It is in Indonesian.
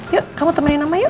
yuk kamu temenin nama yuk